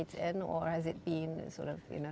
atau negara lain memiliki